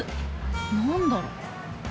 何だろう？